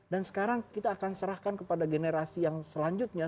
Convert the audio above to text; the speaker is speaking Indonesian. dan sekarang kita akan serahkan kepada generasi yang selanjutnya